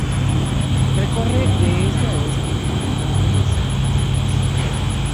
Recorre de este a oeste, el norte santafesino.